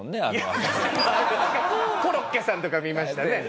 コロッケさんとかは見ましたね。